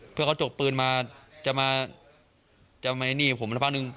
เพื่อเขาจกปืนมาจะมาจะมาหนีผมสักพักนึง